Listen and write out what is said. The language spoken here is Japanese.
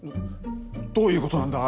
どういう事なんだ？